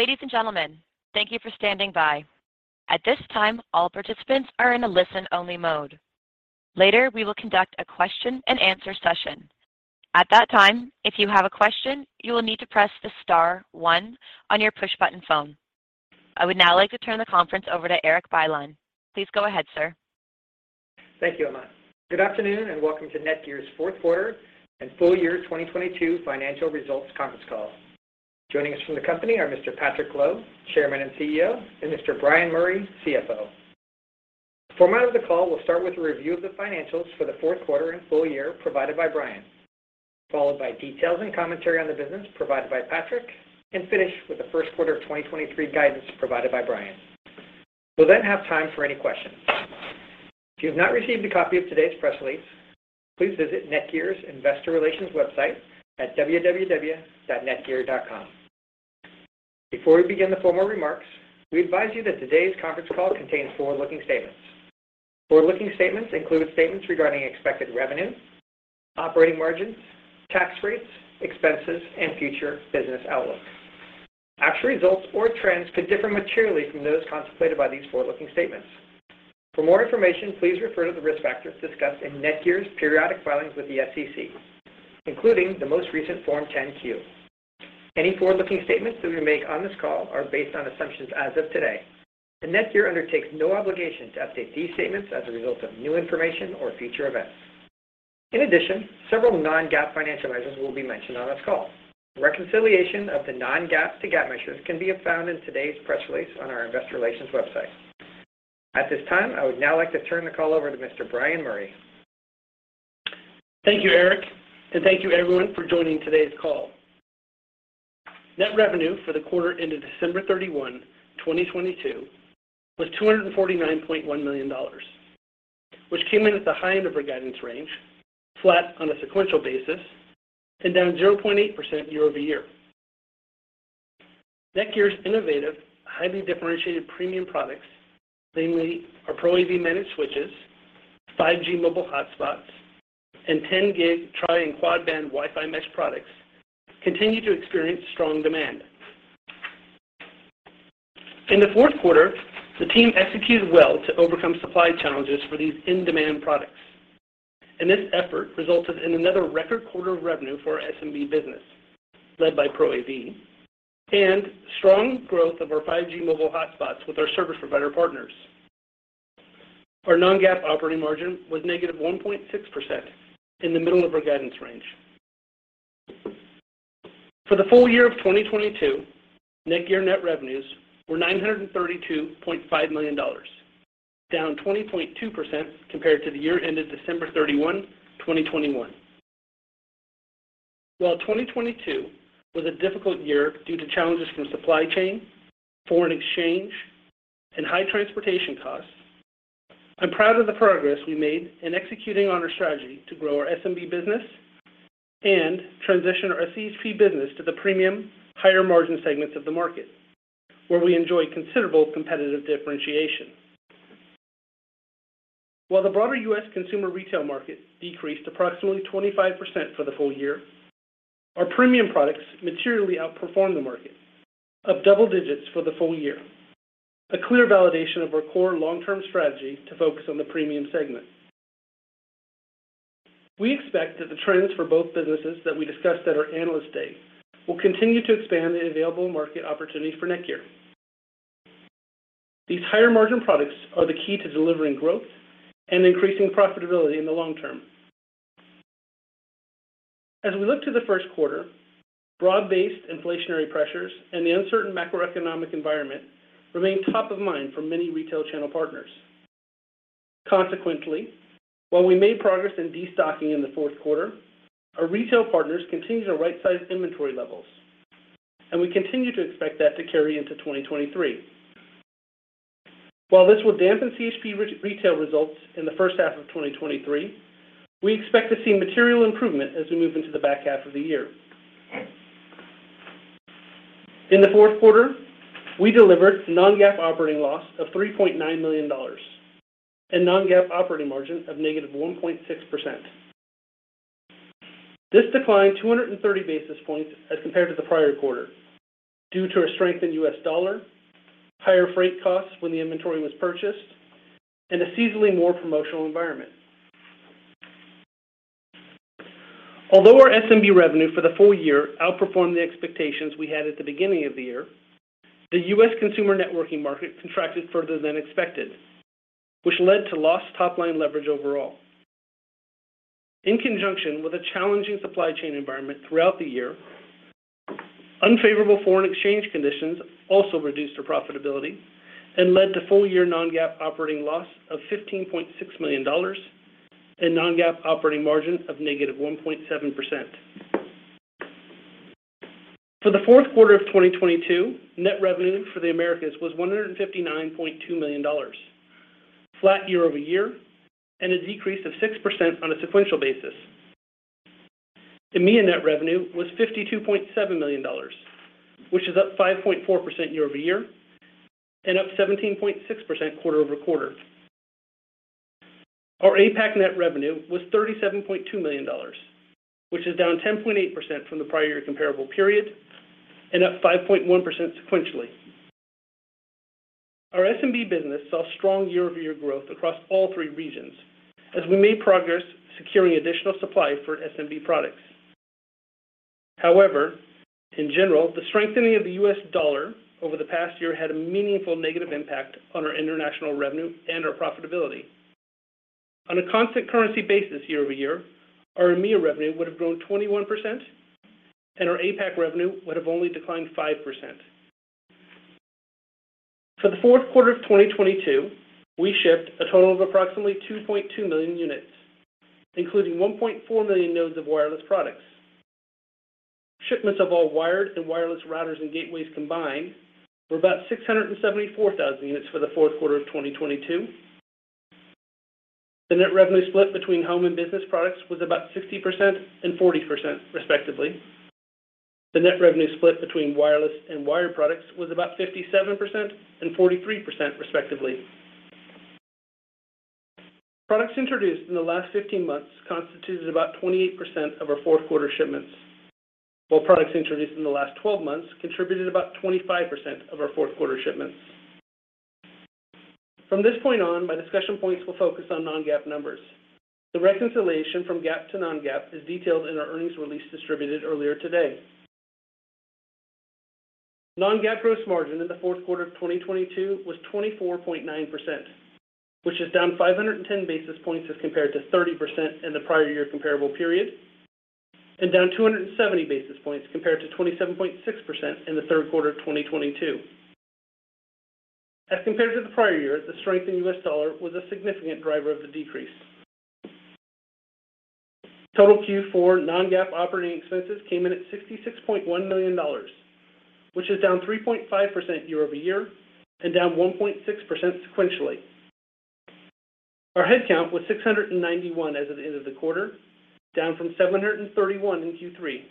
Ladies and gentlemen, thank you for standing by. At this time, all participants are in a listen-only mode. Later, we will conduct a question-and-answer session. At that time, if you have a question, you will need to press the star one on your push-button phone. I would now like to turn the conference over to Erik Bylin. Please go ahead, sir. Thank you, Emma. Good afternoon, and welcome to NETGEAR's fourth quarter and full year 2022 financial results conference call. Joining us from the company are Mr. Patrick Lo, Chairman and CEO, and Mr. Bryan Murray, CFO. The format of the call will start with a review of the financials for the fourth quarter and full year provided by Brian, followed by details and commentary on the business provided by Patrick, and finish with the first quarter of 2023 guidance provided by Brian. We'll then have time for any questions. If you have not received a copy of today's press release, please visit NETGEAR's Investor Relations website at www.netgear.com. Before we begin the formal remarks, we advise you that today's conference call contains forward-looking statements. Forward-looking statements include statements regarding expected revenue, operating margins, tax rates, expenses, and future business outlook. Actual results or trends could differ materially from those contemplated by these forward-looking statements. For more information, please refer to the risk factors discussed in NETGEAR's periodic filings with the SEC, including the most recent Form 10-Q. Any forward-looking statements that we make on this call are based on assumptions as of today, NETGEAR undertakes no obligation to update these statements as a result of new information or future events. Several non-GAAP financial measures will be mentioned on this call. Reconciliation of the non-GAAP to GAAP measures can be found in today's press release on our Investor Relations website. At this time, I would now like to turn the call over to Mr. Bryan Murray. Thank you, Erik, and thank you everyone for joining today's call. Net revenue for the quarter ended December 31, 2022 was $249.1 million, which came in at the high end of our guidance range, flat on a sequential basis, and down 0.8% year-over-year. NETGEAR's innovative, highly differentiated premium products, namely our Pro AV managed switches, 5G mobile hotspots, and 10-Gig tri-band and quad-band Wi-Fi mesh products, continue to experience strong demand. In the fourth quarter, the team executed well to overcome supply challenges for these in-demand products. This effort resulted in another record quarter of revenue for our SMB business, led by Pro AV, and strong growth of our 5G mobile hotspots with our service provider partners. Our non-GAAP operating margin was -1.6% in the middle of our guidance range. For the full year of 2022, NETGEAR net revenues were $932.5 million, down 20.2% compared to the year ended December 31, 2021. While 2022 was a difficult year due to challenges from supply chain, foreign exchange, and high transportation costs, I'm proud of the progress we made in executing on our strategy to grow our SMB business and transition our CSP business to the premium higher-margin segments of the market, where we enjoy considerable competitive differentiation. While the broader U.S. consumer retail market decreased approximately 25% for the full year, our premium products materially outperformed the market of double digits for the full year, a clear validation of our core long-term strategy to focus on the premium segment. We expect that the trends for both businesses that we discussed at our Analyst Day will continue to expand the available market opportunities for NETGEAR. These higher-margin products are the key to delivering growth and increasing profitability in the long term. As we look to the first quarter, broad-based inflationary pressures and the uncertain macroeconomic environment remain top of mind for many retail channel partners. Consequently, while we made progress in destocking in the fourth quarter, our retail partners continue to right-size inventory levels, and we continue to expect that to carry into 2023. While this will dampen CHP re-retail results in the first half of 2023, we expect to see material improvement as we move into the back half of the year. In the fourth quarter, we delivered non-GAAP operating loss of $3.9 million and non-GAAP operating margin of -1.6%. This declined 230 basis points as compared to the prior quarter due to a strengthened U.S. dollar, higher freight costs when the inventory was purchased, and a seasonally more promotional environment. Although our SMB revenue for the full year outperformed the expectations we had at the beginning of the year, the U.S. consumer networking market contracted further than expected, which led to lost top-line leverage overall. In conjunction with a challenging supply chain environment throughout the year, unfavorable foreign exchange conditions also reduced our profitability and led to full-year non-GAAP operating loss of $15.6 million and non-GAAP operating margin of negative 1.7%. For the fourth quarter of 2022, net revenue for the Americas was $159.2 million, flat year-over-year, and a decrease of 6% on a sequential basis. EMEA net revenue was $52.7 million, which is up 5.4% year-over-year and up 17.6% quarter-over-quarter. APAC net revenue was $37.2 million, which is down 10.8% from the prior year comparable period and up 5.1% sequentially. SMB business saw strong year-over-year growth across all three regions as we made progress securing additional supply for SMB products. In general, the strengthening of the U.S. Dollar over the past year had a meaningful negative impact on our international revenue and our profitability. On a constant currency basis year-over-year, our EMEA revenue would have grown 21%, and our APAC revenue would have only declined 5%. For the fourth quarter of 2022, we shipped a total of approximately 2.2 million units, including 1.4 million nodes of wireless products. Shipments of all wired and wireless routers and gateways combined were about 674,000 units for the fourth quarter of 2022. The net revenue split between home and business products was about 60% and 40%, respectively. The net revenue split between wireless and wired products was about 57% and 43%, respectively. Products introduced in the last 15 months constituted about 28% of our fourth quarter shipments, while products introduced in the last 12 months contributed about 25% of our fourth quarter shipments. From this point on, my discussion points will focus on non-GAAP numbers. The reconciliation from GAAP to non-GAAP is detailed in our earnings release distributed earlier today. Non-GAAP gross margin in the fourth quarter of 2022 was 24.9%, which is down 510 basis points as compared to 30% in the prior year comparable period, down 270 basis points compared to 27.6% in the third quarter of 2022. As compared to the prior year, the strength in U.S. dollar was a significant driver of the decrease. Total Q4 non-GAAP operating expenses came in at $66.1 million, which is down 3.5% year-over-year and down 1.6% sequentially. Our headcount was 691 as of the end of the quarter, down from 731 in Q3.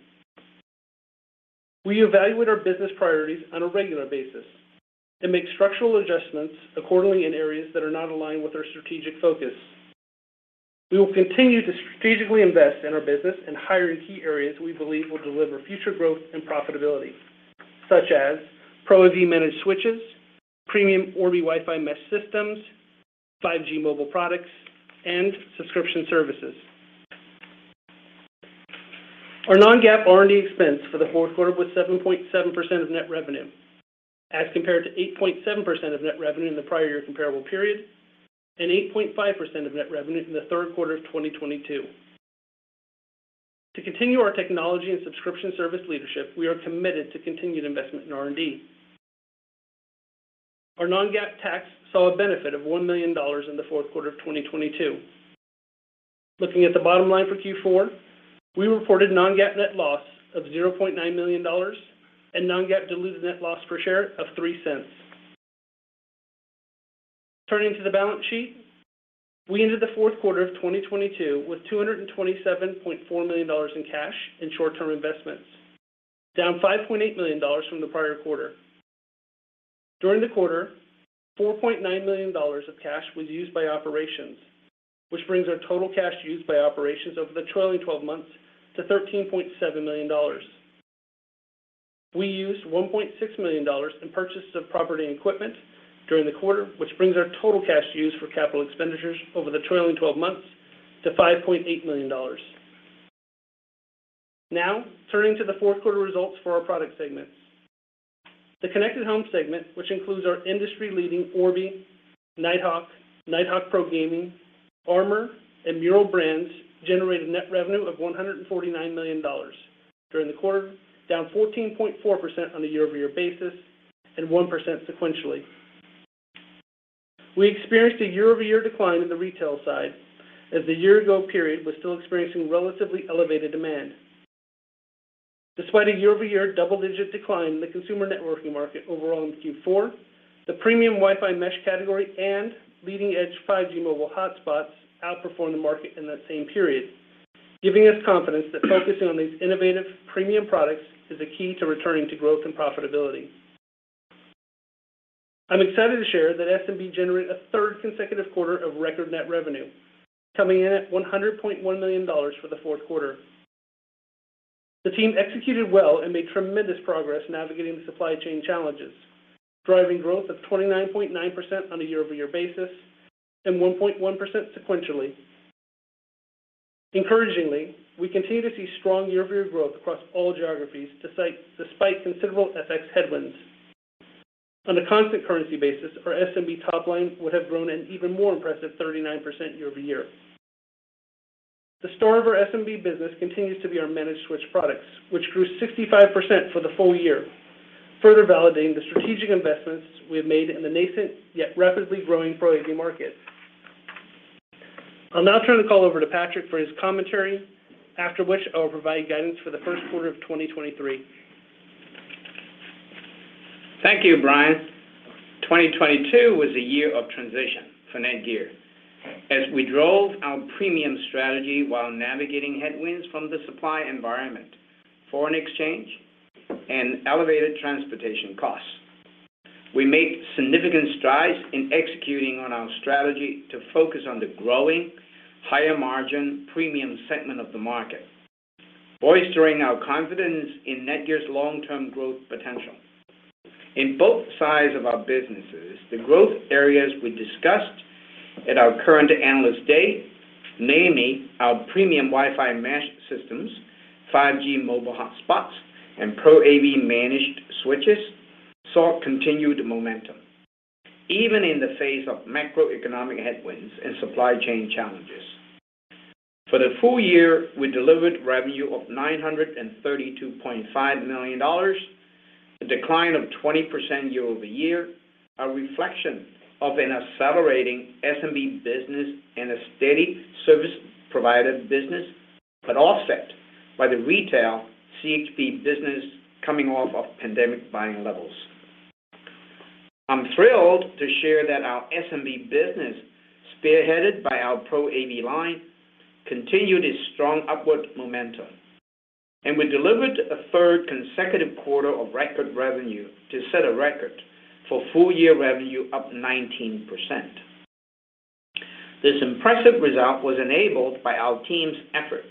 We evaluate our business priorities on a regular basis and make structural adjustments accordingly in areas that are not aligned with our strategic focus. We will continue to strategically invest in our business and hire in key areas we believe will deliver future growth and profitability, such as Pro AV managed switches, premium Orbi Wi-Fi mesh systems, 5G mobile products, and subscription services. Our non-GAAP R&D expense for the fourth quarter was 7.7% of net revenue, as compared to 8.7% of net revenue in the prior year comparable period and 8.5% of net revenue in the third quarter of 2022. To continue our technology and subscription service leadership, we are committed to continued investment in R&D. Our non-GAAP tax saw a benefit of $1 million in the fourth quarter of 2022. Looking at the bottom line for Q4, we reported non-GAAP net loss of $0.9 million and non-GAAP diluted net loss per share of $0.03. Turning to the balance sheet, we ended the fourth quarter of 2022 with $227.4 million in cash and short-term investments, down $5.8 million from the prior quarter. During the quarter, $4.9 million of cash was used by operations, which brings our total cash used by operations over the trailing 12 months to $13.7 million. We used $1.6 million in purchases of property and equipment during the quarter, which brings our total cash used for capital expenditures over the trailing 12 months to $5.8 million. Turning to the fourth quarter results for our product segments. The connected home segment, which includes our industry-leading Orbi, Nighthawk Pro Gaming, Armor, and Meural brands, generated net revenue of $149 million during the quarter, down 14.4% on a year-over-year basis and 1% sequentially. We experienced a year-over-year decline in the retail side as the year ago period was still experiencing relatively elevated demand. Despite a year-over-year double-digit decline in the consumer networking market overall in Q4, the premium Wi-Fi mesh category and leading edge 5G mobile hotspots outperformed the market in that same period, giving us confidence that focusing on these innovative premium products is a key to returning to growth and profitability. I'm excited to share that SMB generated a third consecutive quarter of record net revenue, coming in at $100.1 million for the fourth quarter. The team executed well and made tremendous progress navigating the supply chain challenges, driving growth of 29.9% on a year-over-year basis and 1.1% sequentially. Encouragingly, we continue to see strong year-over-year growth across all geographies despite considerable FX headwinds. On a constant currency basis, our SMB top line would have grown an even more impressive 39% year-over-year. The star of our SMB business continues to be our managed switch products, which grew 65% for the full year, further validating the strategic investments we have made in the nascent, yet rapidly growing Pro AV market. I'll now turn the call over to Patrick for his commentary, after which I will provide guidance for the first quarter of 2023. Thank you, Bryan. 2022 was a year of transition for NETGEAR as we drove our premium strategy while navigating headwinds from the supply environment, foreign exchange, and elevated transportation costs. We made significant strides in executing on our strategy to focus on the growing higher margin premium segment of the market, bolstering our confidence in NETGEAR's long-term growth potential. In both sides of our businesses, the growth areas we discussed at our current Analyst Day, namely our premium Wi-Fi mesh systems, 5G mobile hotspots, and Pro AV managed switches, saw continued momentum even in the face of macroeconomic headwinds and supply chain challenges. For the full year, we delivered revenue of $932.5 million, a decline of 20% year-over-year, a reflection of an accelerating SMB business and a steady service provider business. Offset by the retail CHP business coming off of pandemic buying levels, I'm thrilled to share that our SMB business, spearheaded by our Pro AV line, continued its strong upward momentum. We delivered a third consecutive quarter of record revenue to set a record for full year revenue up 19%. This impressive result was enabled by our team's effort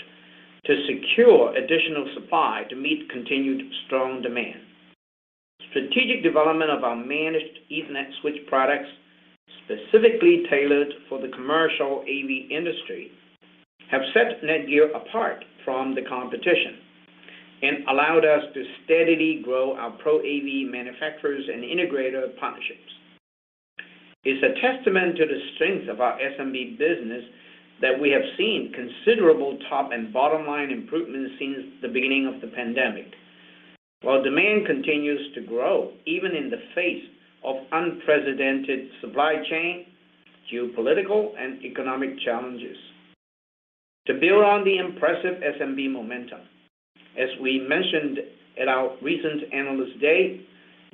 to secure additional supply to meet continued strong demand. Strategic development of our managed Ethernet switch products, specifically tailored for the commercial AV industry, have set NETGEAR apart from the competition and allowed us to steadily grow our Pro AV manufacturers and integrator partnerships. It's a testament to the strength of our SMB business that we have seen considerable top and bottom line improvements since the beginning of the pandemic. Demand continues to grow even in the face of unprecedented supply chain, geopolitical, and economic challenges. To build on the impressive SMB momentum, as we mentioned at our recent Analyst Day,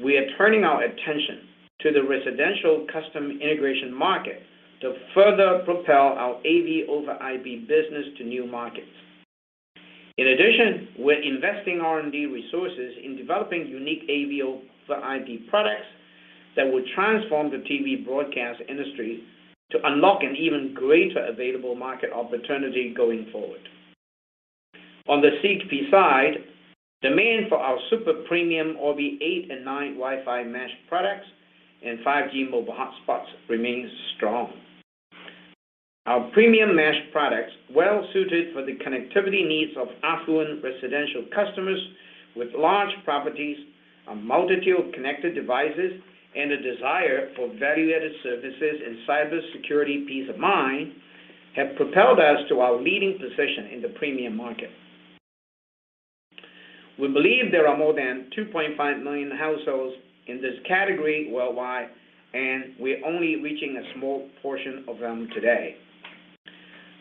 we are turning our attention to the residential custom integration market to further propel our AV over IP business to new markets. We're investing R&D resources in developing unique AV over IP products that will transform the TV broadcast industry to unlock an even greater available market opportunity going forward. On the CHP side, demand for our super premium Orbi 8 and 9 Wi-Fi mesh products and 5G mobile hotspots remains strong. Our premium mesh products, well suited for the connectivity needs of affluent residential customers with large properties, a multitude of connected devices, and a desire for value-added services and cybersecurity peace of mind, have propelled us to our leading position in the premium market. We believe there are more than 2.5 million households in this category worldwide, and we're only reaching a small portion of them today.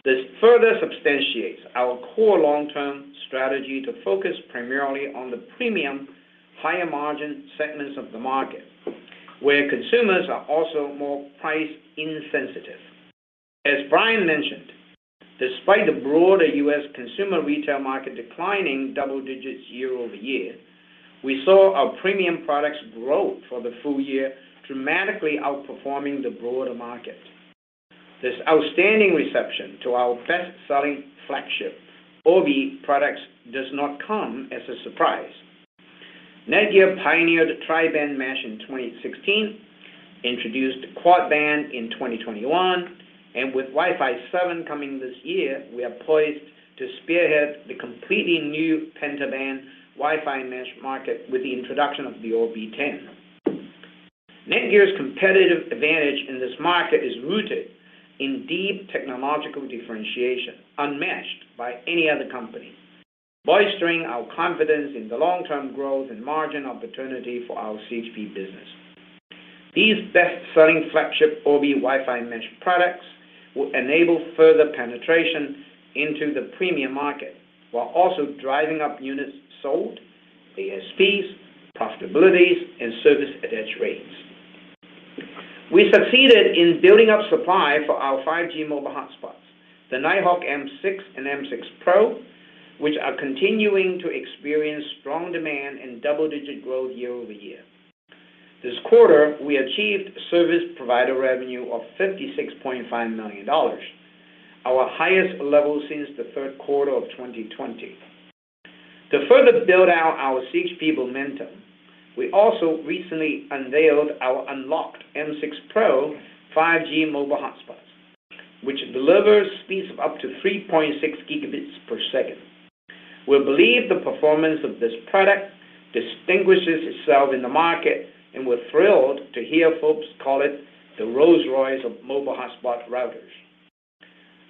This further substantiates our core long-term strategy to focus primarily on the premium higher margin segments of the market, where consumers are also more price insensitive. As Bryan mentioned, despite the broader U.S. consumer retail market declining double digits year-over-year, we saw our premium products grow for the full year, dramatically outperforming the broader market. This outstanding reception to our best-selling flagship Orbi products does not come as a surprise. NETGEAR pioneered tri-band mesh in 2016, introduced quad-band in 2021, and with Wi-Fi 7 coming this year, we are poised to spearhead the completely new penta-band Wi-Fi mesh market with the introduction of the Orbi 10. NETGEAR's competitive advantage in this market is rooted in deep technological differentiation, unmatched by any other company, bolstering our confidence in the long-term growth and margin opportunity for our CHP business. These best-selling flagship Orbi Wi-Fi mesh products will enable further penetration into the premium market while also driving up units sold, ASPs, profitabilities, and service attach rates. We succeeded in building up supply for our 5G mobile hotspots, the Nighthawk M6 and M6 Pro, which are continuing to experience strong demand and double-digit growth year-over-year. This quarter, we achieved service provider revenue of $56.5 million, our highest level since the third quarter of 2020. To further build out our CHP momentum, we also recently unveiled our unlocked M6 Pro 5G mobile hotspots, which delivers speeds of up to 3.6 Gbps. We believe the performance of this product distinguishes itself in the market, and we're thrilled to hear folks call it the Rolls-Royce of mobile hotspot routers.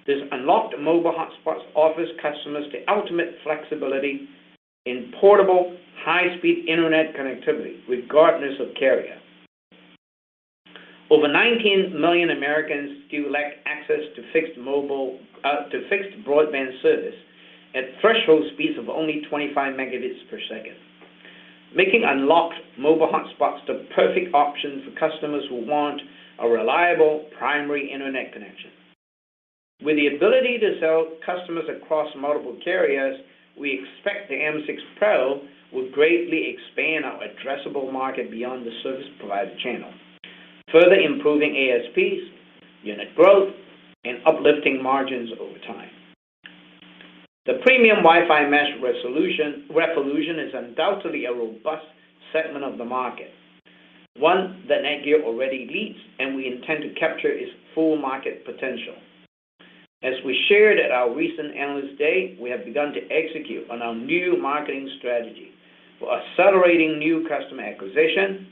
This unlocked mobile hotspots offers customers the ultimate flexibility in portable high-speed internet connectivity regardless of carrier. Over 19 million Americans still lack access to fixed broadband service at threshold speeds of only 25 Mbps, making unlocked mobile hotspots the perfect option for customers who want a reliable primary internet connection. With the ability to sell customers across multiple carriers, we expect the M6 Pro will greatly expand our addressable market beyond the service provider channel, further improving ASPs, unit growth, and uplifting margins over time. The premium Wi-Fi Mesh revolution is undoubtedly a robust segment of the market, one that NETGEAR already leads. We intend to capture its full market potential. As we shared at our recent Analyst Day, we have begun to execute on our new marketing strategy for accelerating new customer acquisition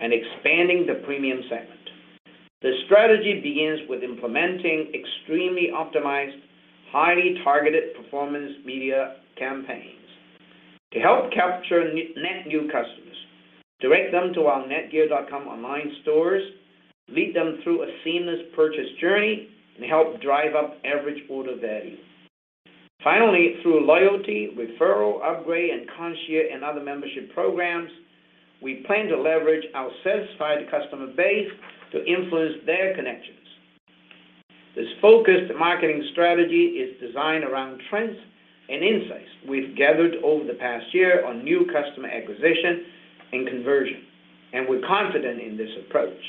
and expanding the premium segment. The strategy begins with implementing extremely optimized, highly targeted performance media campaigns to help capture net new customers, direct them to our netgear.com online stores, lead them through a seamless purchase journey, and help drive up average order value. Finally, through loyalty, referral, upgrade, and Concierge, and other membership programs, we plan to leverage our satisfied customer base to influence their connections. This focused marketing strategy is designed around trends and insights we've gathered over the past year on new customer acquisition and conversion. We're confident in this approach.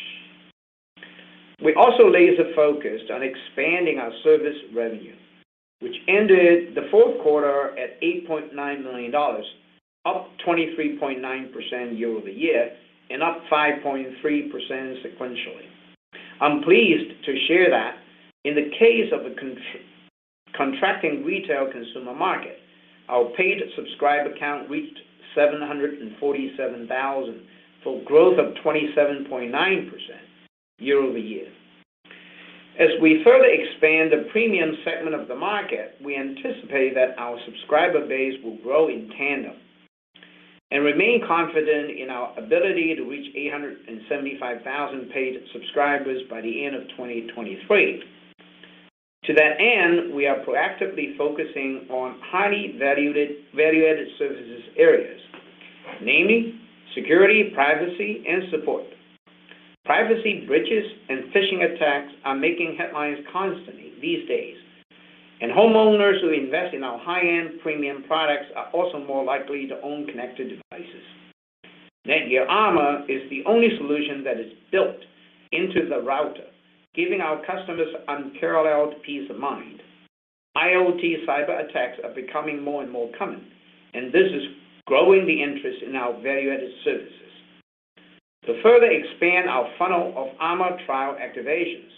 We also laser-focused on expanding our service revenue, which ended the fourth quarter at $8.9 million, up 23.9% year-over-year and up 5.3% sequentially. I'm pleased to share that in the case of a contracting retail consumer market, our paid subscriber count reached 747,000 for a growth of 27.9% year-over-year. As we further expand the premium segment of the market, we anticipate that our subscriber base will grow in tandem and remain confident in our ability to reach 875,000 paid subscribers by the end of 2023. To that end, we are proactively focusing on highly valued, value-added services areas, namely security, privacy, and support. Privacy breaches and phishing attacks are making headlines constantly these days. Homeowners who invest in our high-end premium products are also more likely to own connected devices. NETGEAR Armor is the only solution that is built into the router, giving our customers unparalleled peace of mind. IoT cyberattacks are becoming more and more common, and this is growing the interest in our value-added services. To further expand our funnel of Armor trial activations,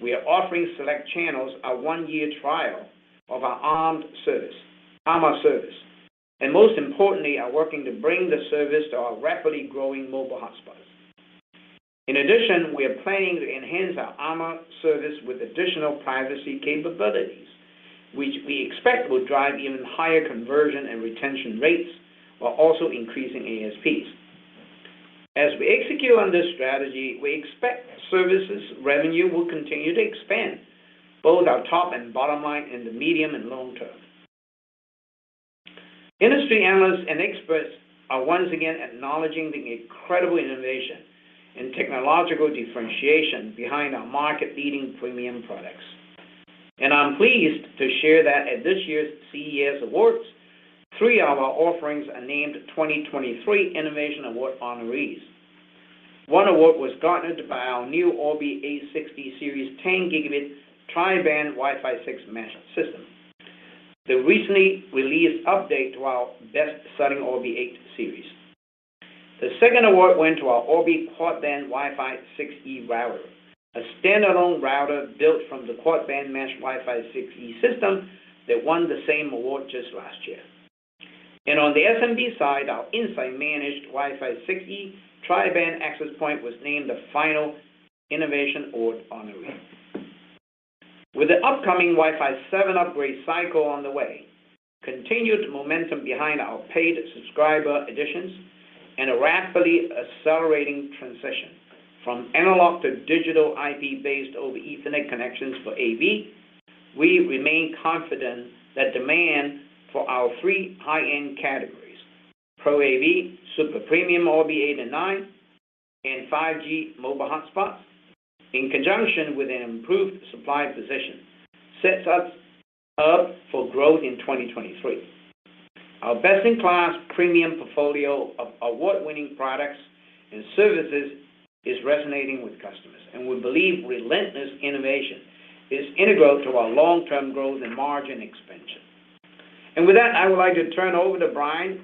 we are offering select channels a one-year trial of our Armor service, and most importantly, are working to bring the service to our rapidly growing mobile hotspots. We are planning to enhance our Armor service with additional privacy capabilities, which we expect will drive even higher conversion and retention rates, while also increasing ASPs. As we execute on this strategy, we expect services revenue will continue to expand both our top and bottom line in the medium and long term. Industry analysts and experts are once again acknowledging the incredible innovation and technological differentiation behind our market-leading premium products. I'm pleased to share that at this year's CES Innovation Awards, Three of our offerings are named 2023 Innovation Award honorees. One award was garnered by our new Orbi 860 Series 10-Gbps tri-band Wi-Fi 6 Mesh system, the recently released update to our best-selling Orbi 8 Series. The second award went to our Orbi Quad-Band Wi-Fi 6E router, a standalone router built from the Quad-Band Mesh Wi-Fi 6E system that won the same award just last year. On the SMB side, our Insight Managed WiFi 6E tri-band access point was named the final Innovation Award honoree. With the upcoming Wi-Fi 7 upgrade cycle on the way, continued momentum behind our paid subscriber additions, and a rapidly accelerating transition from analog to digital IP-based over Ethernet connections for AV, we remain confident that demand for our three high-end categories, Pro AV, Super Premium Orbi 8 and 9, and 5G mobile hotspots, in conjunction with an improved supply position, sets us up for growth in 2023. Our best-in-class premium portfolio of award-winning products and services is resonating with customers, we believe relentless innovation is integral to our long-term growth and margin expansion. With that, I would like to turn over to Bryan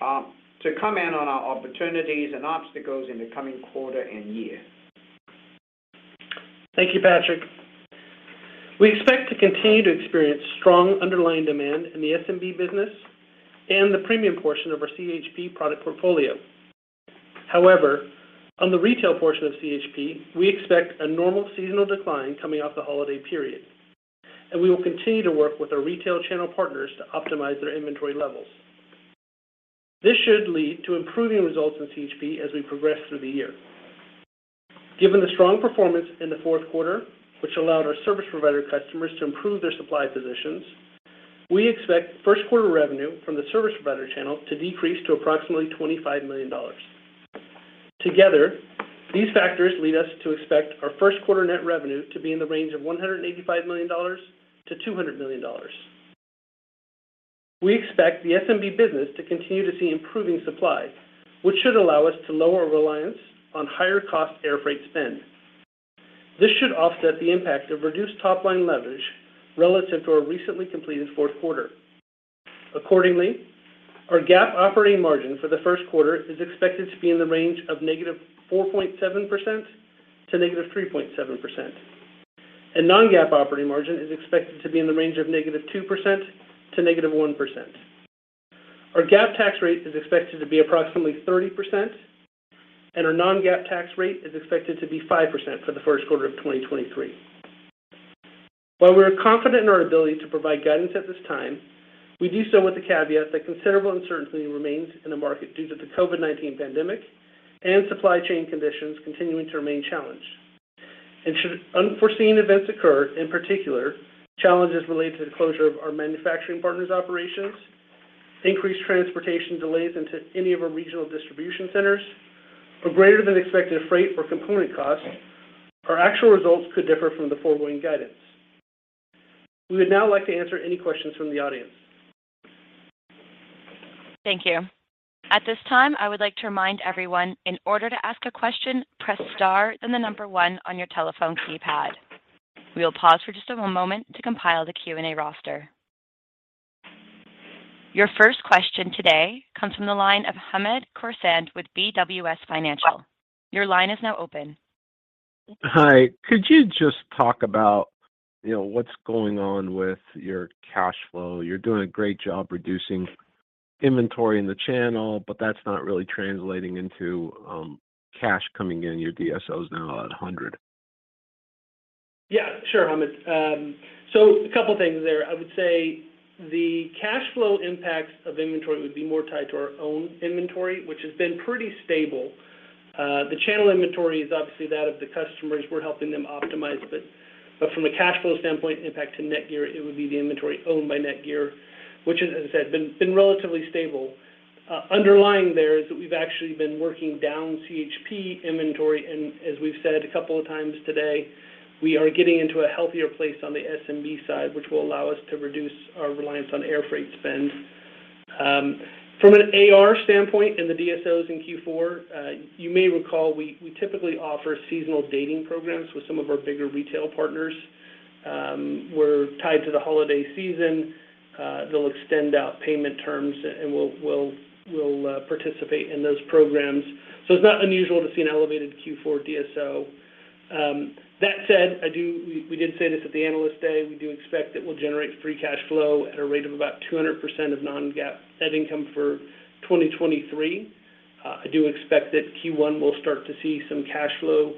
to comment on our opportunities and obstacles in the coming quarter and year. Thank you, Patrick. We expect to continue to experience strong underlying demand in the SMB business and the premium portion of our CHP product portfolio. On the retail portion of CHP, we expect a normal seasonal decline coming off the holiday period. We will continue to work with our retail channel partners to optimize their inventory levels. This should lead to improving results in CHP as we progress through the year. Given the strong performance in the fourth quarter, which allowed our service provider customers to improve their supply positions, we expect first quarter revenue from the service provider channel to decrease to approximately $25 million. Together, these factors lead us to expect our first quarter net revenue to be in the range of $185 million-$200 million. We expect the SMB business to continue to see improving supply, which should allow us to lower reliance on higher cost airfreight spend. This should offset the impact of reduced top-line leverage relative to our recently completed fourth quarter. Accordingly, our GAAP operating margin for the first quarter is expected to be in the range of -4.7% to -3.7%, and non-GAAP operating margin is expected to be in the range of -2% to -1%. Our GAAP tax rate is expected to be approximately 30%, and our non-GAAP tax rate is expected to be 5% for the first quarter of 2023. While we are confident in our ability to provide guidance at this time, we do so with the caveat that considerable uncertainty remains in the market due to the COVID-19 pandemic and supply chain conditions continuing to remain challenged. Should unforeseen events occur, in particular, challenges related to the closure of our manufacturing partners' operations, increased transportation delays into any of our regional distribution centers, or greater than expected freight or component costs, our actual results could differ from the forward-looking guidance. We would now like to answer any questions from the audience. Thank you. At this time, I would like to remind everyone in order to ask a question, press star then the number one on your telephone keypad. We will pause for just a moment to compile the Q&A roster. Your first question today comes from the line of Hamed Khorsand with BWS Financial. Your line is now open. Hi. Could you just talk about, you know, what's going on with your cash flow? You're doing a great job reducing inventory in the channel, but that's not really translating into cash coming in. Your DSO is now at 100. Yeah, sure, Hamed. A couple of things there. I would say the cash flow impacts of inventory would be more tied to our own inventory, which has been pretty stable. The channel inventory is obviously that of the customers. We're helping them optimize it. From a cash flow standpoint, impact to NETGEAR, it would be the inventory owned by NETGEAR, which has, as I said, been relatively stable. Underlying there is that we've actually been working down CHP inventory, and as we've said a couple of times today, we are getting into a healthier place on the SMB side, which will allow us to reduce our reliance on air freight spend. From an AR standpoint and the DSOs in Q4, you may recall we typically offer seasonal dating programs with some of our bigger retail partners. We're tied to the holiday season. They'll extend out payment terms, and we'll participate in those programs. It's not unusual to see an elevated Q4 DSO. That said, we did say this at the Analyst Day, we do expect that we'll generate free cash flow at a rate of about 200% of non-GAAP net income for 2023. I do expect that Q1 will start to see some cash flow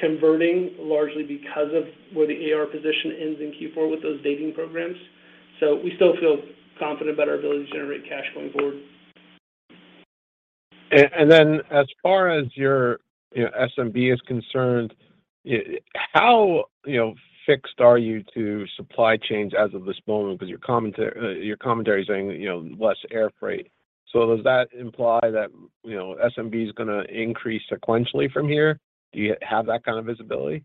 converting largely because of where the AR position ends in Q4 with those dating programs. We still feel confident about our ability to generate cash going forward. As far as your, you know, SMB is concerned, how, you know, fixed are you to supply chains as of this moment because your commentary is saying, you know, less air freight. Does that imply that, you know, SMB is gonna increase sequentially from here? Do you have that kind of visibility?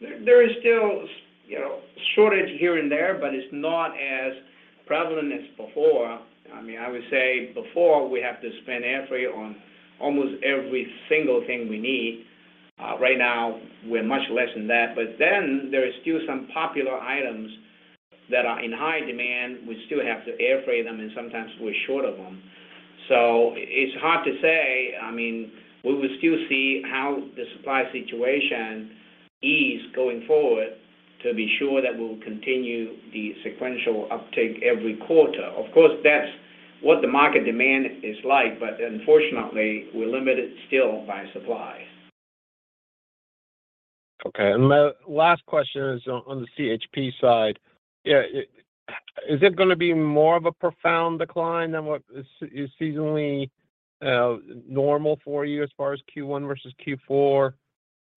There is still, you know, shortage here and there, but it's not as prevalent as before. I mean, I would say before we have to spend air freight on almost every single thing we need. Right now, we're much less than that. There is still some popular items that are in high demand, we still have to air freight them, and sometimes we're short of them. It's hard to say. I mean, we will still see how the supply situation ease going forward to be sure that we'll continue the sequential uptake every quarter. Of course, that's what the market demand is like, but unfortunately, we're limited still by supply. Okay. My last question is on the CHP side. Yeah. Is it gonna be more of a profound decline than what is seasonally normal for you as far as Q1 versus Q4?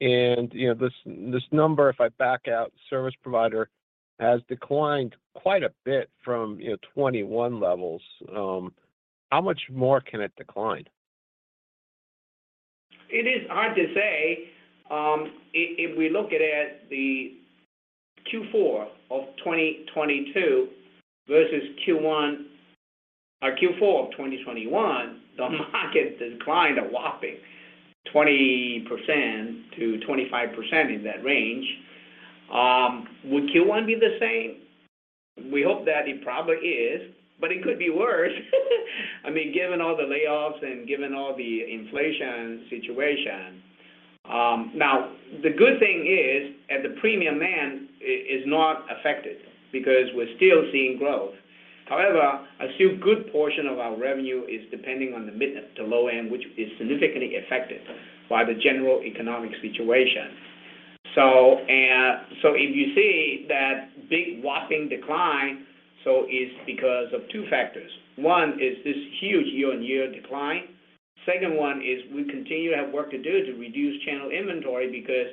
You know, this number, if I back out service provider, has declined quite a bit from, you know, 2021 levels. How much more can it decline? It is hard to say. If, if we look at the Q4 of 2022 versus Q1 or Q4 of 2021, the market declined a whopping 20%-25% in that range. Would Q1 be the same? We hope that it probably is, but it could be worse. I mean, given all the layoffs and given all the inflation situation. Now, the good thing is at the premium end is not affected because we're still seeing growth. However, a still good portion of our revenue is depending on the mid to low end, which is significantly affected by the general economic situation. If you see that big whopping decline, so it's because of two factors. One is this huge year-on-year decline. Second one is we continue to have work to do to reduce channel inventory because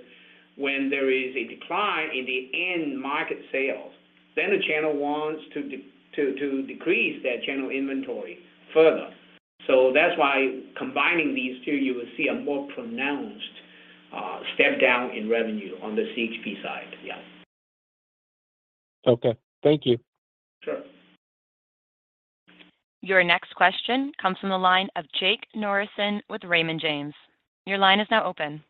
when there is a decline in the end market sales, the channel wants to decrease that channel inventory further. That's why combining these two, you will see a more pronounced step down in revenue on the CHP side. Yeah. Okay. Thank you. Sure. Your next question comes from the line of Jake Norrison with Raymond James. Your line is now open.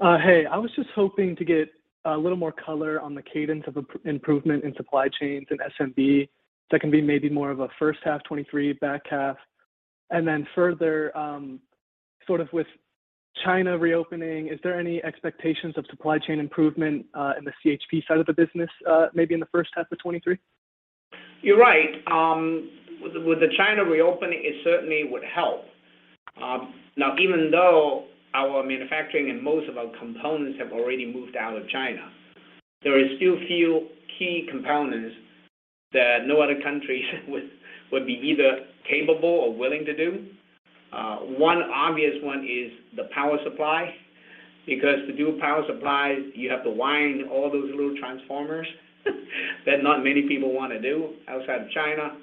Hey, I was just hoping to get a little more color on the cadence of improvement in supply chains in SMB that can be maybe more of a first half 2023, back half. Further, sort of with China reopening, is there any expectations of supply chain improvement in the CHP side of the business, maybe in the first half of 2023? You're right. With the China reopening, it certainly would help. Now even though our manufacturing and most of our components have already moved out of China, there is still few key components that no other countries would be either capable or willing to do. One obvious one is the power supply, because to do power supply, you have to wind all those little transformers that not many people wanna do outside of China,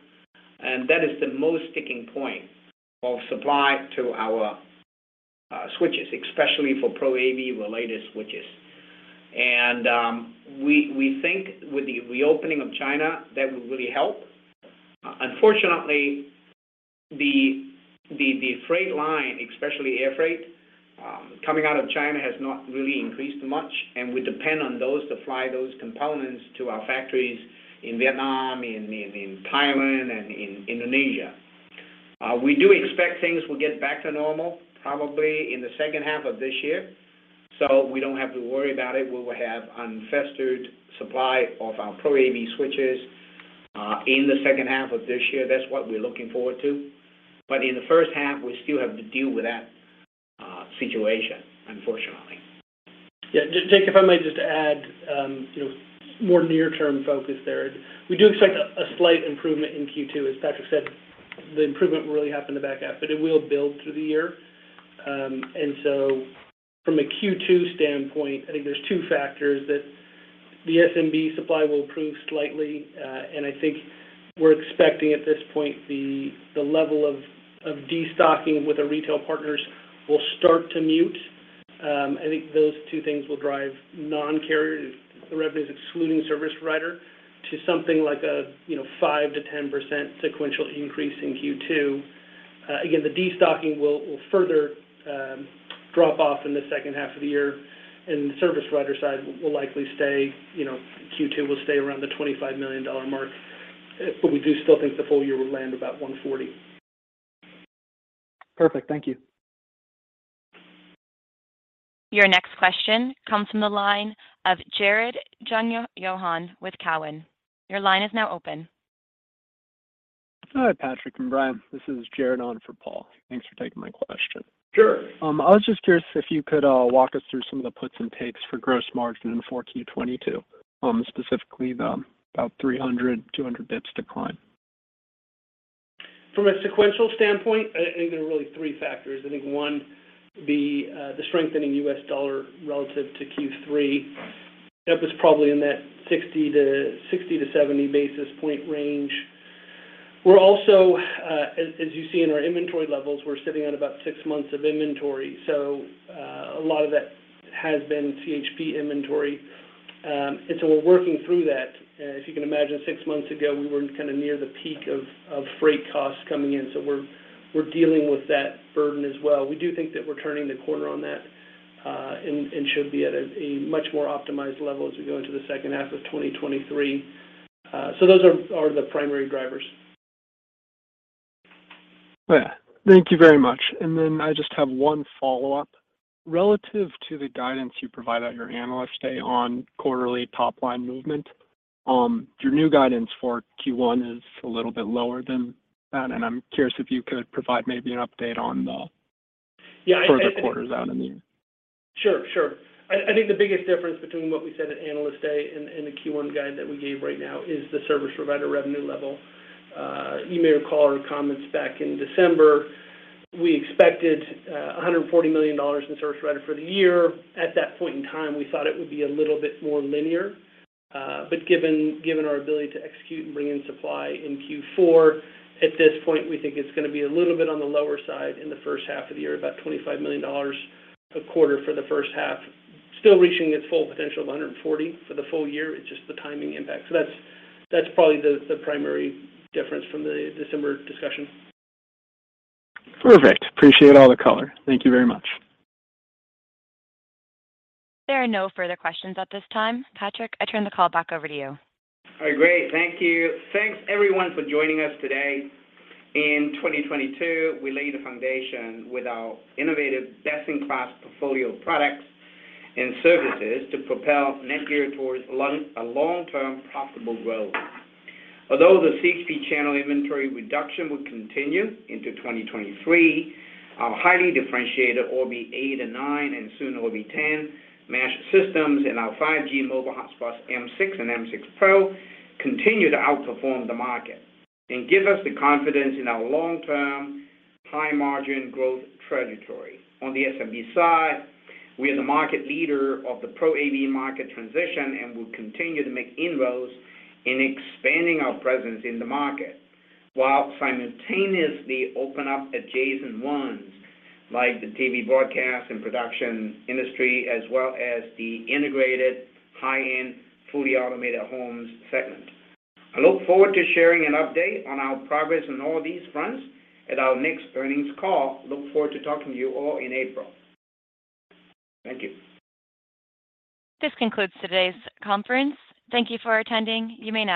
and that is the most sticking point of supply to our switches, especially for Pro AV related switches. We think with the reopening of China, that will really help. Unfortunately, the freight line, especially air freight, coming out of China has not really increased much. We depend on those to fly those components to our factories in Vietnam, in Thailand, and in Indonesia. We do expect things will get back to normal probably in the second half of this year, we don't have to worry about it. We will have unfettered supply of our Pro AV switches in the second half of this year. That's what we're looking forward to. In the first half, we still have to deal with that situation, unfortunately. Yeah. Jake, if I may just add, you know, more near term focus there. We do expect a slight improvement in Q2. As Patrick said, the improvement will really happen in the back half, but it will build through the year. From a Q2 standpoint, I think there's two factors that the SMB supply will improve slightly. I think we're expecting at this point the level of destocking with our retail partners will start to mute. I think those two things will drive non-carrier revenues excluding service provider to something like a, you know, 5%-10% sequential increase in Q2. Again, the destocking will further drop off in the second half of the year, the service provider side will likely stay, you know, Q2 will stay around the $25 million mark. We do still think the full year will land about $140. Perfect. Thank you. Your next question comes from the line of Jared Jungjohann with Cowen. Your line is now open. Hi, Patrick and Bryan. This is Jared on for Paul. Thanks for taking my question. Sure. I was just curious if you could walk us through some of the puts and takes for gross margin for Q22, specifically the about 300, 200 basis points decline. From a sequential standpoint, I think there are really three factors. I think one would be the strengthening U.S. dollar relative to Q3. That was probably in that 60-70 basis point range. We're also, as you see in our inventory levels, we're sitting at about six months of inventory, so a lot of that has been CHP inventory. We're working through that. If you can imagine, six months ago, we were kind of near the peak of freight costs coming in, so we're dealing with that burden as well. We do think that we're turning the corner on that and should be at a much more optimized level as we go into the second half of 2023. Those are the primary drivers. Yeah. Thank you very much. I just have one follow-up. Relative to the guidance you provide at your Analyst Day on quarterly top-line movement, your new guidance for Q1 is a little bit lower than that, and I'm curious if you could provide maybe an update on. Yeah. further quarters out in the year. Sure. I think the biggest difference between what we said at Analyst Day and the Q1 guide that we gave right now is the service provider revenue level. You may recall our comments back in December. We expected $140 million in service provider for the year. At that point in time, we thought it would be a little bit more linear. Given our ability to execute and bring in supply in Q4, at this point, we think it's gonna be a little bit on the lower side in the first half of the year, about $25 million a quarter for the first half. Still reaching its full potential of $140 for the full year. It's just the timing impact. That's probably the primary difference from the December discussion. Perfect. Appreciate all the color. Thank you very much. There are no further questions at this time. Patrick, I turn the call back over to you. All right, great. Thank you. Thanks everyone for joining us today. In 2022, we laid the foundation with our innovative best-in-class portfolio of products and services to propel NETGEAR towards a long-term profitable growth. Although the CHP channel inventory reduction will continue into 2023, our highly differentiated Orbi 8 and 9, and soon Orbi 10 mesh systems, and our 5G mobile hotspot M6 and M6 Pro continue to outperform the market and give us the confidence in our long-term high margin growth trajectory. On the SMB side, we are the market leader of the Pro AV market transition, we'll continue to make inroads in expanding our presence in the market, while simultaneously open up adjacent ones like the TV broadcast and production industry, as well as the integrated high-end fully automated homes segment. I look forward to sharing an update on our progress on all these fronts at our next earnings call. Look forward to talking to you all in April. Thank you. This concludes today's conference. Thank you for attending. You may now disconnect.